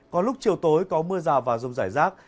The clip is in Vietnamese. có lúc chiều tối có mưa rào và rông rải rác